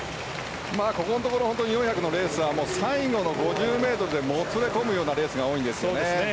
ここのところ４００のレースは最後の５０ｍにもつれ込むようなレースが多いんですよね。